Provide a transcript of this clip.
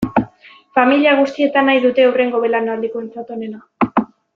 Familia guztietan nahi dute hurrengo belaunaldikoentzat onena.